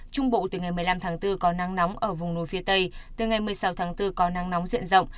trung bộ từ ngày một mươi năm tháng bốn có nắng nóng ở vùng núi phía tây từ ngày một mươi sáu tháng bốn có nắng nóng diện rộng